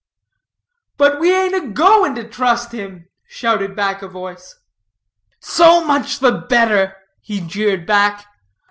"But we aint agoing to trust him!" shouted back a voice. "So much the better," he jeered back.